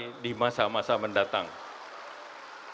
kami berharap bahwa kekuatan politik ini akan menjadi kekuatan yang matang